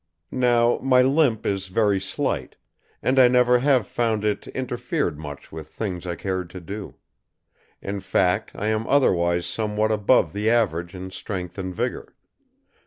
Now, my limp is very slight, and I never have found it interfered much with things I cared to do. In fact, I am otherwise somewhat above the average in strength and vigor.